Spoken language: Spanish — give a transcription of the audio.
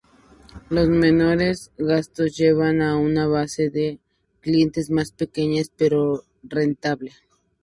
Los menores gastos llevan a una base de clientes más pequeña pero rentable.